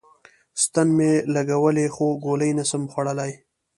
ستن می لګولی خو ګولی نسم خوړلای